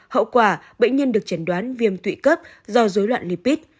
hậu quả bệnh nhân được chấn đoán viêm tuyệt cấp do dối loạn lipid